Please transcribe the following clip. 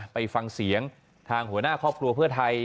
ไปฟังเสียงทางหัวหน้าครอบครัวเพื่อไทย